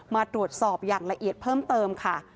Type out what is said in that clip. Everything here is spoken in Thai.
มาตรวจสอบอย่างละเอียดเพิ่มเติมค่ะ